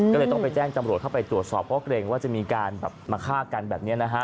ก็เลยต้องไปแจ้งจำรวจเข้าไปตรวจสอบเพราะเกรงว่าจะมีการแบบมาฆ่ากันแบบนี้นะฮะ